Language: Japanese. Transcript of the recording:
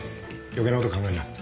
余計なこと考えんな。